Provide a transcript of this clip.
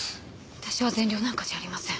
私は善良なんかじゃありません。